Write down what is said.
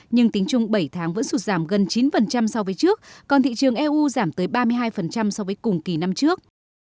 nhưng tính chung bảy tháng vẫn sụt giảm gần chín so với trước còn thị trường eu giảm tới ba mươi hai